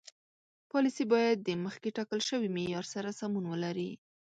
پالیسي باید د مخکې ټاکل شوي معیار سره سمون ولري.